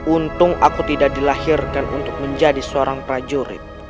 untung aku tidak dilahirkan untuk menjadi seorang prajurit